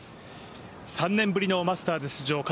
３年ぶりのマスターズ出場